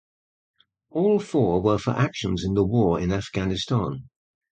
All four were for actions in the War in Afghanistan.